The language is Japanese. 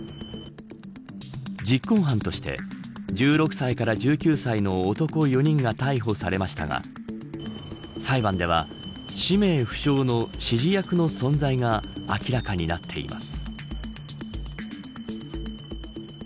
実行犯として１６歳から１９歳の男４人が逮捕されましたが裁判では氏名不詳の指示役の存在が明らかになっています。